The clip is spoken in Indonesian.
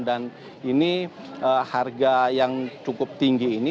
dan ini harga yang cukup tinggi ini